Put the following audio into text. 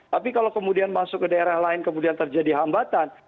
tapi kalau kemudian masuk ke daerah lain kemudian terjadi hambatan